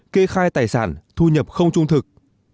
kê khai tài sản thu nhập không trung thực